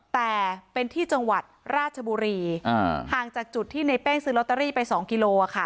แต่เป็นที่จังหวัดราชบุรีห่างจากจุดที่ในเป้งซื้อลอตเตอรี่ไปสองกิโลค่ะ